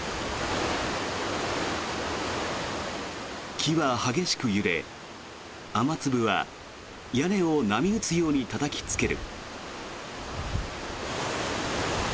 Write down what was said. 木は激しく揺れ雨粒は屋根を波打つようにたたきつける。